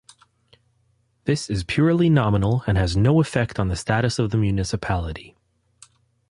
This is purely nominal and has no effect on the status of the municipality.